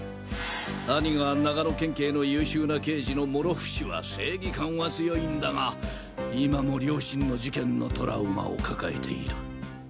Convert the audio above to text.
兄が長野県警の優秀な刑事の諸伏は正義感は強いんだが今も両親の事件のトラウマを抱えている。